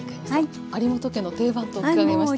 有元家の定番と伺いましたが。